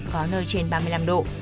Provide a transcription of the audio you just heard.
có nơi trên ba mươi năm độ